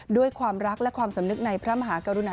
ด้วยความรักและความสำนึกในพระมหากรุณา